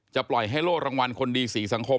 ปล่อยให้โล่รางวัลคนดี๔สังคม